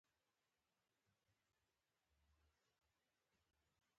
د لمر تودوخې سره هیڅ نه کېدل.